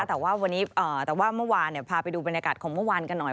แต่ว่าเมื่อวานพาไปดูบรรยากาศของเมื่อวานกันหน่อย